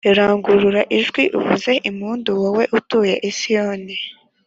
Rangurura ijwi uvuze impundu, wowe utuye i Siyoni,